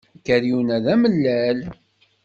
Akeryun-a d amellal.